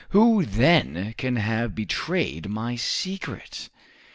Who then can have betrayed my secret?"